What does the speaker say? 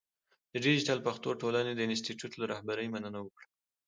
د دیجیټل پښتو ټولنې د انسټیټوت له رهبرۍ مننه وکړه.